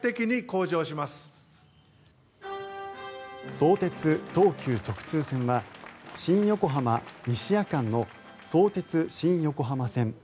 相鉄・東急直通線は新横浜西谷間の相鉄新横浜線